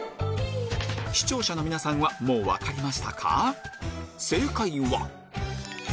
視聴者の皆さんはもう分かりましたか？